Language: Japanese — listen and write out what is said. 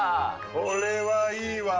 これはいいわ。